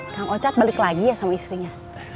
kang ocat balik lagi ya sama istrinya